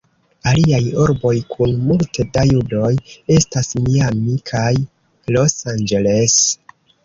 Aliaj urboj kun multe da judoj estas Miami kaj Los Angeles.